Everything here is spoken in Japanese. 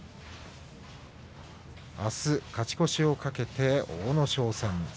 あす勝ち越しを懸けて阿武咲戦です。